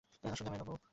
আসো জামাই বাবু।